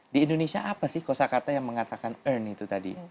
di indonesia apa sih kosa kata yang mengatakan earn itu tadi